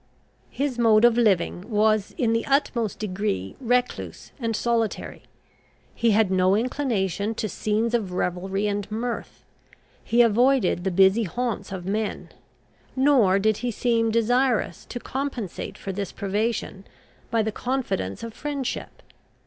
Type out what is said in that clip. His mode of living was in the utmost degree recluse and solitary. He had no inclination to scenes of revelry and mirth. He avoided the busy haunts of men; nor did he seem desirous to compensate for this privation by the confidence of friendship.